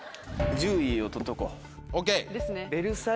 １０位を取っとこう。